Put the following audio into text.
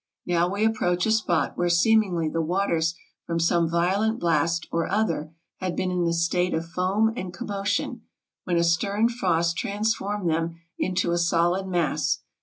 Now we approach a spot where seemingly the waters from some vio lent blast or other had been in a state of foam and commo tion, when a stern frost transformed them into a solid mass.